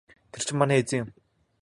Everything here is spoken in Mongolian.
Тэр чинь манай эзэн юм.